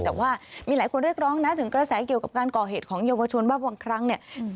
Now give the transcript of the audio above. แต่ว่ามีหลายคนเรียกร้องนะถึงกระแสเกี่ยวกับการก่อเหตุของเยาวชนว่าบางครั้งเนี่ย